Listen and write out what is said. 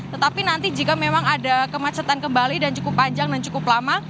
tetapi nanti jika memang ada kemacetan kembali dan cukup panjang dan cukup lama